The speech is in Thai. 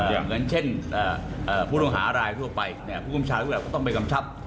เหมือนเช่นผู้ต้องหารายทั่วไปผู้คุ้มชาติก็ต้องไปกำชับ